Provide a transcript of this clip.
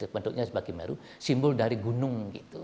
bentuknya sebagai meru simbol dari gunung gitu